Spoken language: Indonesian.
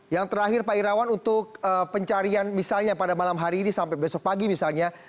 yang terakhir pak irawan untuk pencarian misalnya pada malam hari ini sampai besok pagi misalnya